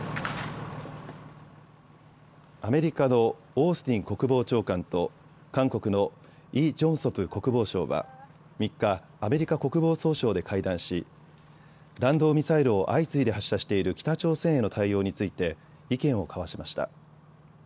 アメリカのオースティン国防長官と韓国のイ・ジョンソプ国防相は３日、アメリカ国防総省で会談し弾道ミサイルを相次いで発射している北朝鮮への対応について意見を交わしました。